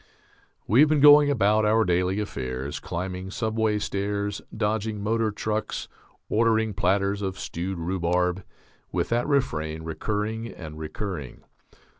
We have been going about our daily affairs, climbing subway stairs, dodging motor trucks, ordering platters of stewed rhubarb, with that refrain recurring and recurring.